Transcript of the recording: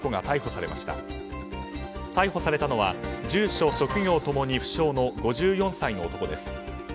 逮捕されたのは住所・職業共に不詳の５４歳の男です。